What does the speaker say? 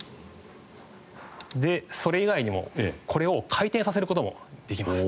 でそれ以外にもこれを回転させる事もできます。